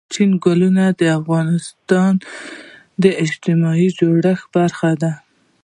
چنګلونه د افغانستان د اجتماعي جوړښت برخه ده.